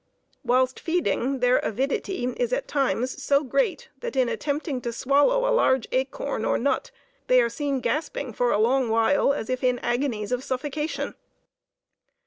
Whilst feeding, their avidity is at times so great that in attempting to swallow a large acorn or nut, they are seen gasping for a long while, as if in agonies of suffocation.